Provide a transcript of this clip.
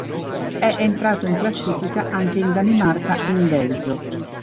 È entrato in classifica anche in Danimarca e in Belgio.